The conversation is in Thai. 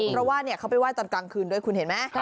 เพราะว่าเนี่ยเขาไปไหว้ตอนกลางคืนด้วยคุณเห็นมั้ย